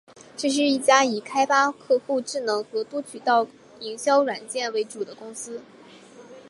这是一家以开发客户智能和多渠道营销软件为主的公司。